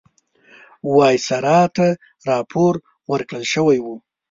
وایسرا ته راپور ورکړل شوی وو.